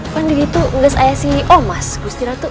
kan di situ gelas ayah si omas gusti ratu